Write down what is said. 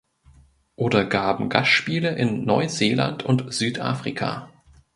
Oder gaben Gastspiele in Neuseeland und Südafrika.